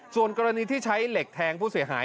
ส่วนกรณีที่ใช้เหล็กแทงผู้เสียหาย